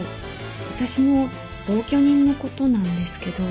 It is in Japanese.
私の同居人のことなんですけど。